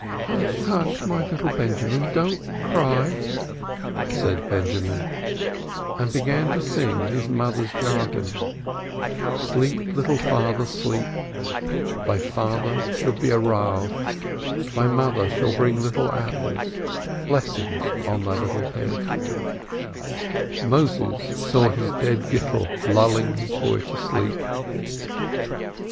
"Hush, hush, my little Benjamin, don't cry," said Benjamin, and began to sing in his mothers jargon: "Sleep, little father, sleep, Thy father shall be a Rav, Thy mother shall bring little apples, Blessings on thy little head," Moses saw his dead Gittel lulling his boy to sleep.